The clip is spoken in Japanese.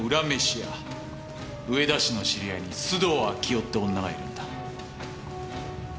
上田氏の知り合いに須藤明代って女がいるんだ。